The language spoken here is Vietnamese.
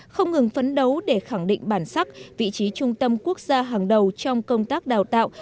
không ngừng phấn đấu để khẳng định bản sắc vị trí trung tâm quốc gia hàng đầu trong công tác đào tạo